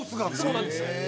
そうなんですよ。